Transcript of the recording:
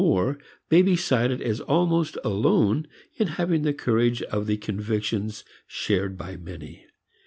Moore may be cited as almost alone in having the courage of the convictions shared by many.